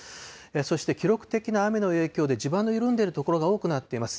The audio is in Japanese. そして記録的な雨の影響で地盤の緩んでいる所が多くなっています。